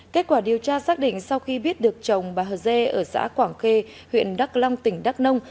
kết quả điều tra xác định sau khi biết được chồng bà hờ dê ở xã quảng khê huyện đắk long tỉnh đắk nông